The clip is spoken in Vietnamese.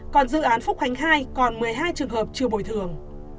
còn dự án phúc khánh hai còn một mươi hai trường hợp chưa bồi thường